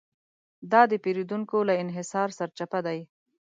دا د پېریدونکو له انحصار سرچپه دی.